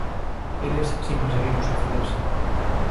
Eles si conseguiron suicidarse.